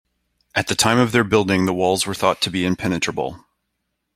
At the time of their building, the walls were thought to be impenetrable.